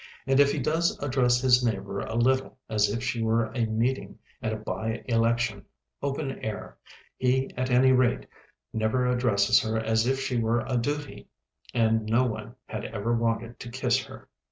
And if he does address his neighbour a little as if she were a meeting at a bye election, open air, he at any rate never addresses her as if she were a duty and no one had ever wanted to kiss her.